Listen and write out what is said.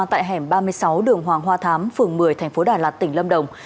tại hẻm ba mươi sáu đường hoàng hoa thám phường một mươi thành phố đà lạt tỉnh lâm đồng